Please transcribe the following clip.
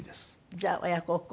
じゃあ親孝行。